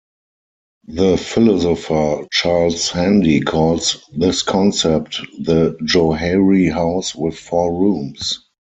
The philosopher Charles Handy calls this concept the Johari House with four rooms.